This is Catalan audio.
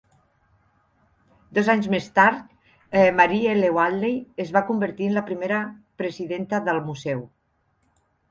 Dos anys més tard, Marie L. Wadley es va convertir en la primera presidents del museu.